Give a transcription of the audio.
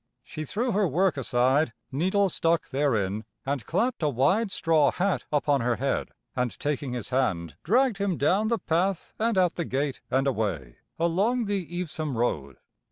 She threw her work aside, needle stuck therein, and clapped a wide straw hat upon her head and taking his hand dragged him down the path and out the gate and away along the Evesham road.